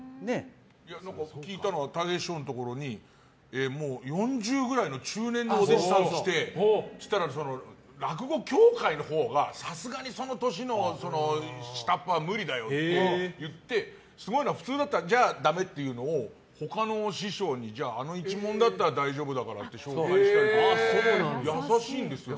聞いたのはたい平師匠のところにもう４０くらいの中年のお弟子さんが来てそしたら落語協会のほうがさすがにその年の下っ端は無理だよって言ってすごいのは普通だったらじゃあダメって言うのを他の師匠に、あの一門だったら大丈夫だからって紹介したりとか優しいんですよ。